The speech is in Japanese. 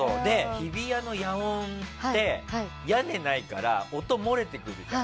日比谷の野音って屋根ないから音が漏れてくるじゃん。